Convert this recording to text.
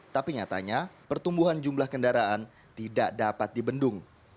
tapi nyatanya pertumbuhan jumlah kendaraan tidak dapat dibendung